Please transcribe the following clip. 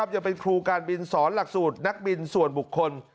ยังเป็นครูการบินสอนหลักสูตรนักบินส่วนบุคคล